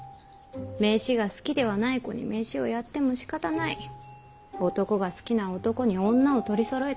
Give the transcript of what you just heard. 飯が好きではない子に飯をやってもしかたない男が好きな男に女を取りそろえてもしかたがない。